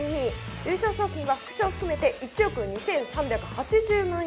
優勝賞金は副賞を含めて１億２３８０万円。